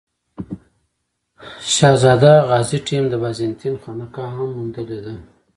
شهزاده غازي ټیم د بازنطین خانقا هم موندلې ده.